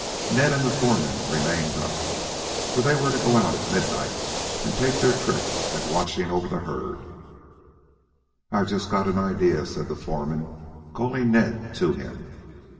Ned and the foreman remained up, for they were to go out at midnight and take their trick at watching over the herd. "I've just got an idea," said the foreman, calling Ned to him.